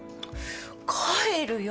帰るよ。